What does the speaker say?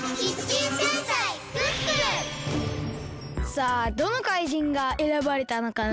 さあどのかいじんがえらばれたのかな？